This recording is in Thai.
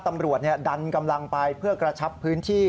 ตำรวจดันกำลังไปเพื่อกระชับพื้นที่